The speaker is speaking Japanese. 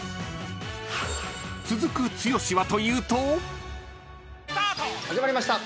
［続く剛はというと］始まりました。